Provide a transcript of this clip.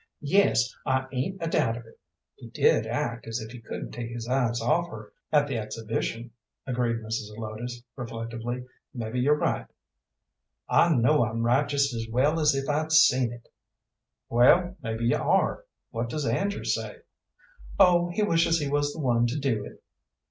"Yes, I 'ain't a doubt of it." "He did act as if he couldn't take his eyes off her at the exhibition," agreed Mrs. Zelotes, reflectively; "mebbe you're right." "I know I'm right just as well as if I'd seen it." "Well, mebbe you are. What does Andrew say?" "Oh, he wishes he was the one to do it."